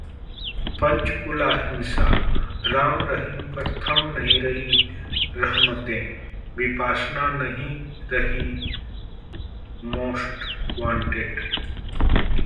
पंचकूला हिंसा: राम रहीम पर थम नहीं रहीं रहमतें, बिपासना नहीं रही मोस्ट वाटेंड